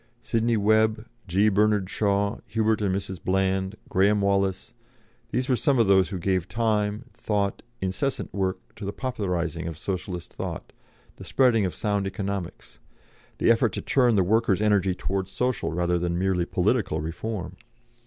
Sidney Webb, G. Bernard Shaw, Hubert and Mrs. Bland, Graham Wallas these were some of those who gave time, thought, incessant work to the popularising of Socialist thought, the spreading of sound economics, the effort to turn the workers' energy toward social rather than merely political reform.